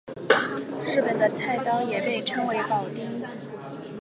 日本的菜刀也被称之为庖丁。